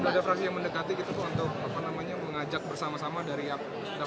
sudah ada fraksi yang mendekati gitu untuk mengajak bersama sama dari